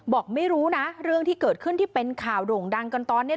บอกไม่รู้นะเรื่องที่เกิดขึ้นที่เป็นข่าวโด่งดังกันตอนนี้